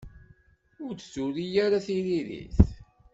Ur d-turi ara tiririt.